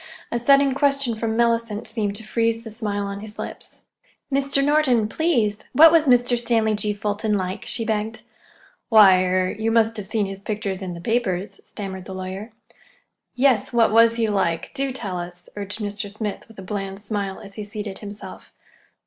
A sudden question from Mellicent seemed to freeze the smile on his lips. "Mr. Norton, please, what was Mr. Stanley G. Fulton like?" she begged. "Why—er—you must have seen his pictures in the papers," stammered the lawyer. "Yes, what was he like? Do tell us," urged Mr. Smith with a bland smile, as he seated himself.